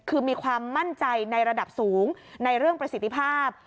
คือมีความมั่นใจในระดับสูงในเรื่องประสิทธิภาพ